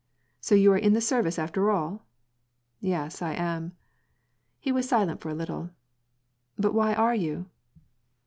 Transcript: " So you are in the service after all ?" "Yes, I am." He was silent for a little. " But why are you